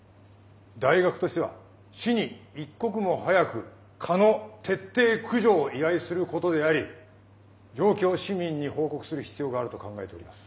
大学としては市に一刻も早く蚊の徹底駆除を依頼することであり状況を市民に報告する必要があると考えております。